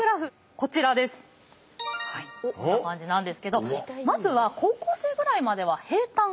こんな感じなんですけどまずは高校生ぐらいまでは平たん。